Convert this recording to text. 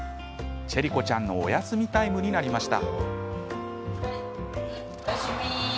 チェリ子ちゃんのお休みタイムになりました。